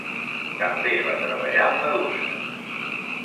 També va treballar amb meduses.